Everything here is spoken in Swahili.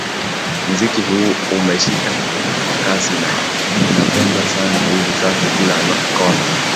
Muziki huu umeshika kasi na unapendwa sana hivi sasa kila kona